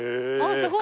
すごい。